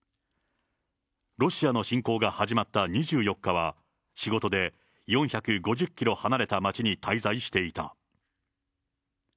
ロシアの侵攻が始まった２４日は、仕事で４５０キロ離れた町に滞在していた。